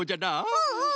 うんうん！